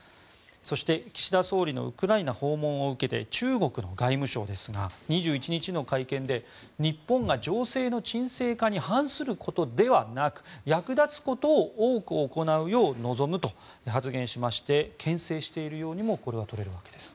そして、岸田総理のウクライナ訪問を受けて中国の外務省ですが２１日の会見で日本が情勢の沈静化に反することではなく役立つことを多く行うよう望むと発言しましてけん制しているようにもこれは取れるわけです。